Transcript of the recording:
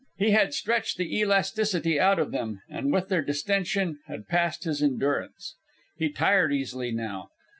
He had stretched the elasticity out of them, and with their distension had passed his endurance. He tired easily now.